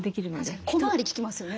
確かに小回り利きますよね。